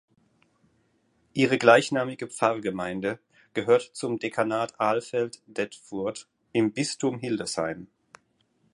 Ihre gleichnamige Pfarrgemeinde gehört zum Dekanat Alfeld-Detfurth im Bistum Hildesheim.